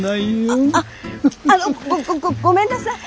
あっあっあのごごごめんなさい。